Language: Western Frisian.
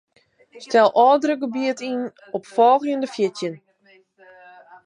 Stel ôfdrukgebiet yn op folgjende fjirtjin.